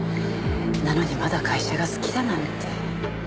なのにまだ会社が好きだなんて。